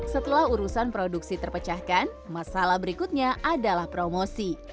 setelah urusan produksi terpecahkan masalah berikutnya adalah promosi